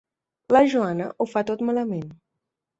La Joana ho fa tot malament.